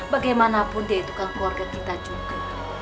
bagaimanapun dia itu kan keluarga kita juga